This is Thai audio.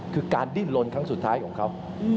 คือการดิ้นลนครั้งสุดท้ายของเขา